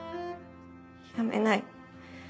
やめない。